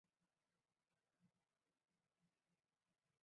立碗藓为葫芦藓科立碗藓属下的一个种。